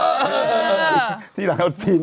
เออที่ร้านเขาจีบแรงโทษเยอะ